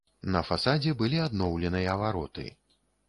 На фасадзе былі адноўленыя вароты.